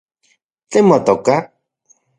¿Tlen motoka?